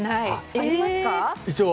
ありますか？